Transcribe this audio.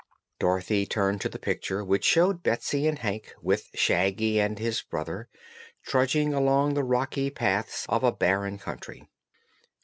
Dorothy turned to the Picture, which showed Betsy and Hank, with Shaggy and his brother, trudging along the rocky paths of a barren country.